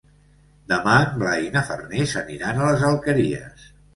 Demà en Blai i na Farners aniran a les Alqueries.